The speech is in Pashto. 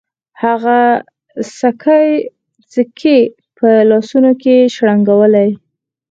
هغه سکې په لاسونو کې شرنګولې.